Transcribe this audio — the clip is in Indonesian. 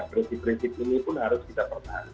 prinsip prinsip ini pun harus kita pertahankan